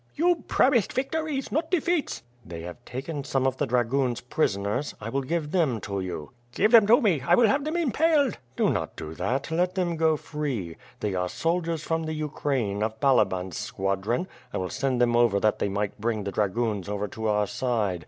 "You promised victories, not defeats." "They have taken some of the dragoons prisoners, I will give them to you." "Give them to me, I will have them impaled." "Do not do that, let them go free. They are soldiers from the Ukraine, of BaJaban's squadron; I will send them over that they may bring the dragoons over to our side.